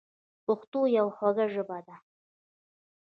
پښتو یوه خوږه ژبه ده.